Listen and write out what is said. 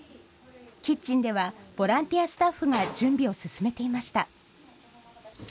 キッチンでは、ボランティアスタッフが準備を進めていました。